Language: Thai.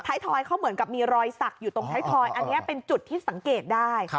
ทอยเขาเหมือนกับมีรอยสักอยู่ตรงท้ายทอยอันนี้เป็นจุดที่สังเกตได้